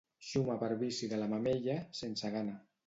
Xuma per vici de la mamella, sense gana.